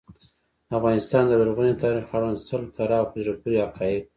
د افغانستان د لرغوني تاریخ اړوند سل کره او په زړه پوري حقایق.